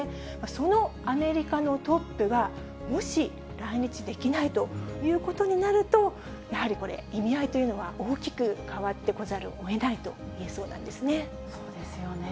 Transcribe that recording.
そのアメリカのトップがもし来日できないということになると、やはりこれ、意味合いというのは大きく変わってこざるをえないと言えそうなんそうですよね。